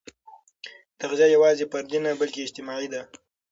تغذیه یوازې فردي نه، بلکې اجتماعي ده.